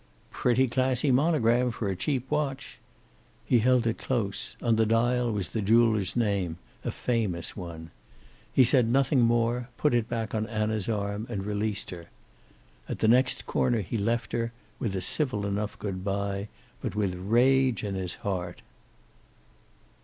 "Pretty classy monogram for a cheap watch." He held it close; on the dial was the jeweler's name, a famous one. He said nothing more, put it back on Anna's arm and released her. At the next corner he left her, with a civil enough good bye, but with rage in his heart.